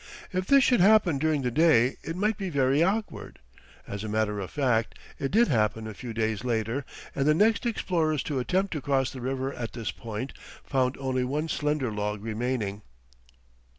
If this should happen during the day it might be very awkward. As a matter of fact, it did happen a few days later and the next explorers to attempt to cross the river at this point found only one slender log remaining.